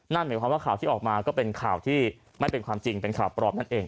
นั่นหมายความว่าข่าวที่ออกมาก็เป็นข่าวที่ไม่เป็นความจริงเป็นข่าวปลอมนั่นเอง